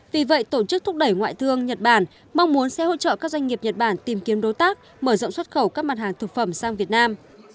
vì vậy tổ chức thúc đẩy ngoại thương nhật bản mong muốn sẽ hỗ trợ các doanh nghiệp nhật bản tìm kiếm đối tác mở rộng xuất khẩu các mặt hàng thực phẩm sang việt nam